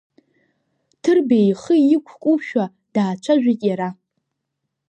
Ҭырбеи ихы иқәкушәа даацәажәеит иара…